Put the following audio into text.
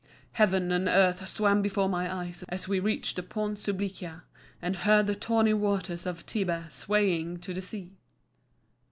Heaven and earth swam before my eyes as we reached the Pons Sublicia, and heard the tawny waters of Tiber swaying to the sea.